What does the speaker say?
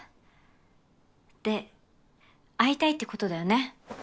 で会いたいってことだよね？